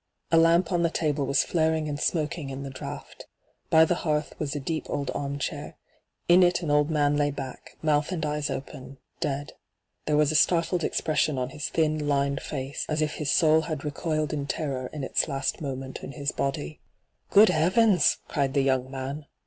A lamp on the table was flaring and smoking in the draught. By the hearth was a deep old arm chair. In it an old man lay back, mouth and eyes open, dead. There was a startled expres sion on his thin, lined face, as if his soul had recoiled in terror in its last moment in his body. ' Good heavens I' cried the young man.